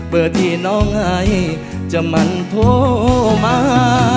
เพื่อที่น้องไอจะมันโทรมา